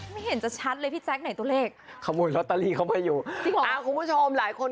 ไม่เห็นจะชัดเลยพี่แจ๊คไหนตัวเลขขโมยลอตเตอรี่เข้ามาอยู่จริงอ่าคุณผู้ชมหลายคน